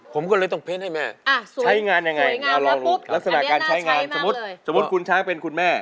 ผมก็เลยต้องเพ้นให้แม่สวยงามแล้วปุ๊บแล้วสมัยการใช้งานสมมุติคุณช้าเป็นคุณแม่